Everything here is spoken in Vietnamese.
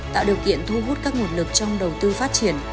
tạo điều kiện thu hút các nguồn lực trong đầu tư phát triển